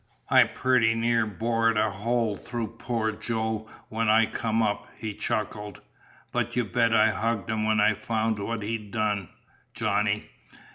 "I pretty near bored a hole through poor Joe when I come up," he chuckled. "But you bet I hugged him when I found what he'd done, Johnny!